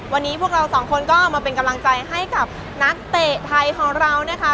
วันนี้พวกเราสองคนก็เอามาเป็นกำลังใจให้กับนักเตะไทยของเรานะคะ